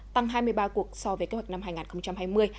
tăng hai mươi ba cuộc so với kế hoạch năm hai nghìn hai mươi